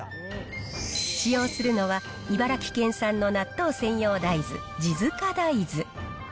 使用するのは茨城県産の納豆専用大豆、地塚大豆。